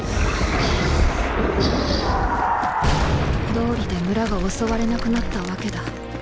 道理で村が襲われなくなったわけだ。